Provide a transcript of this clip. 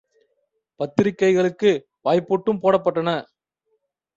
பத்திரிகைகளுக்கு வாய்ப்பூட்டும் போடப்பட்டடன.